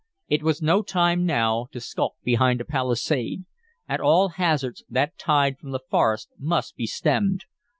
It was no time now to skulk behind a palisade. At all hazards, that tide from the forest must be stemmed.